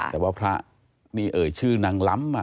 แต่ว่าพระนี่เอ่ยชื่อนางล้ำมา